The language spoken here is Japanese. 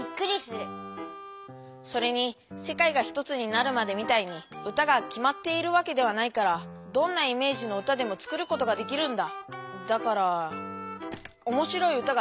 それに「世界がひとつになるまで」みたいに歌がきまっているわけではないからどんなイメージの歌でも作ることができるんだ。